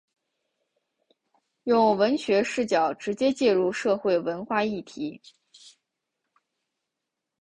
用文学视角直接介入社会文化议题。